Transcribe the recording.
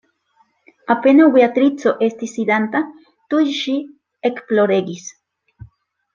Apenaŭ Beatrico estis sidanta, tuj ŝi ekploregis.